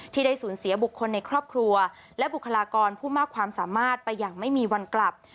ที่ได้สูญเสียบุคคลในครอบครัวและบุคลากรผู้มากความสามารถไปอย่างไม่มีวันกลับ